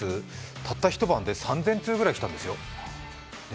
たった一晩で３０００通ぐらい来たんですよ。